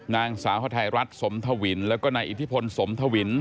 นางสาวฮาไทยรัฐสมทวินแล้วก็นายอิทธิพลสมทวิน